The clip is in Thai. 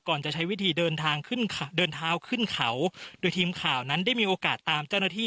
จะใช้วิธีเดินทางขึ้นเดินเท้าขึ้นเขาโดยทีมข่าวนั้นได้มีโอกาสตามเจ้าหน้าที่